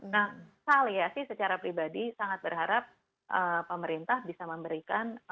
nah saya sih secara pribadi sangat berharap pemerintah bisa memberikan